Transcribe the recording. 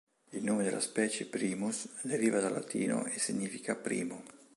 Il nome della specie, "primus", deriva dal latino e significa "primo".